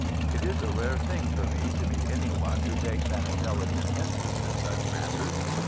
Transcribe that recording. "It is a rare thing for me to meet any one who takes an intelligent interest in such matters.